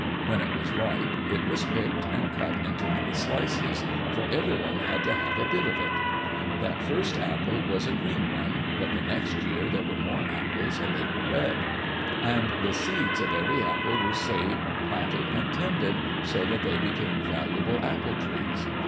When it was ripe, it was picked and cut into many slices, for everyone had to have a bit of it [III] Digitized by Google EARLY DAYS IN OLD OREGON That first apple was a green one, but the next year there were more apples and they were red. And the seeds of every apple were saved, planted, and tended, so that they became valuable apple trees.